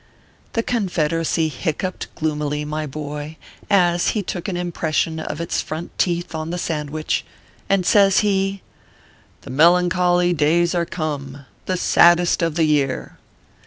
The Confederacy hiccupped gloomily, my boy, as he took an impression of its front teeth on the sand wich, and says he :" The melancholy days are come the saddest of the year."